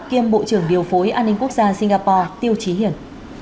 kiêm bộ trưởng điều phối an ninh quốc gia singapore tiêu trí hiển